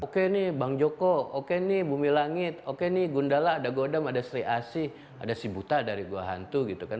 oke nih bang joko oke nih bumi langit oke nih gundala ada godam ada sri asih ada si buta dari gua hantu gitu kan